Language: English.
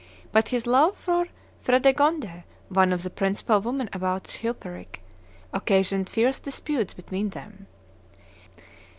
But his love for Fredegonde, one of the principal women about Chilperic, occasioned fierce disputes between them.